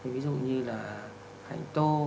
ví dụ như là hành tô